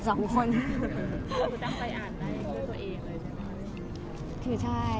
คุณต้องไปอ่านได้เพื่อตัวเองเลยใช่ไหม